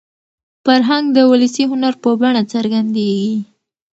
فرهنګ د ولسي هنر په بڼه څرګندېږي.